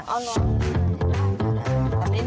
เอาลอง